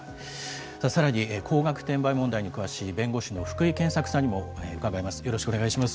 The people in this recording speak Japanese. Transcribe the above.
さらに高額転売問題に詳しい弁護士の福井健策さんにもお伺いします。